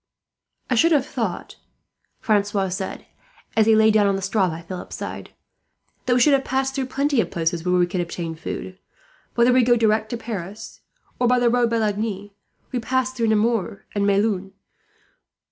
"I should have thought," Francois said, as he lay down on the straw by Philip's side, "that we should have passed through plenty of places where we could obtain food. Whether we go direct to Paris, or by the road by Lagny, we pass through Nemours and Melun."